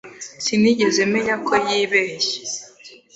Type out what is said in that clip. Sinigeze menya ko yibeshye.